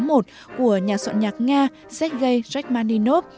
số một của nhà soạn nhạc nga sergei rachmaninov